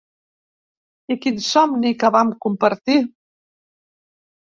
I quin somni que vam compartir!